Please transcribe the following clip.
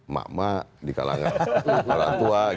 mak mak di kalangan orang tua